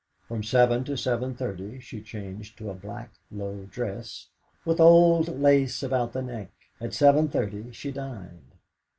From seven to seven thirty she changed to a black low dress, with old lace about the neck. At seven thirty she dined.